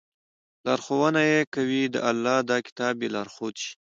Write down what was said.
لارښوونه ئې كوي، د الله دا كتاب ئې لارښود شي